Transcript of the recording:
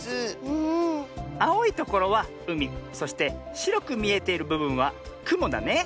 ところはうみそしてしろくみえているぶぶんはくもだね。